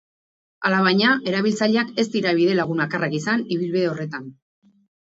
Alabaina, erabiltzaileak ez dira bidelagun bakarrak izan ibilbide horretan.